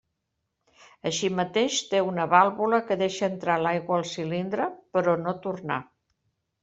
Així mateix, té una vàlvula que deixa entrar l'aigua al cilindre, però no tornar.